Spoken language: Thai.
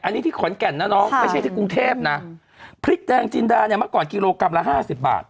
อันนี้ที่ขอนแก่นนะน้องไม่ใช่ที่กรุงเทพนะพริกแดงจินดาเนี่ยเมื่อก่อนกิโลกรัมละห้าสิบบาท